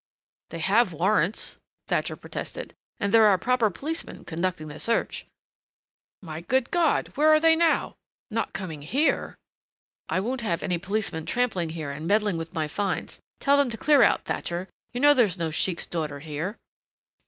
"They have warrants," Thatcher protested. "And there are proper policemen conducting the search " "My good God! Where are they now? Not coming here? I don't have any policemen trampling here and meddling with my finds tell them to clear out, Thatcher, you know there's no sheik's daughter here!"